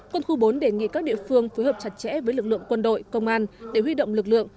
quân khu bốn đề nghị các địa phương phối hợp chặt chẽ với lực lượng quân đội công an để huy động lực lượng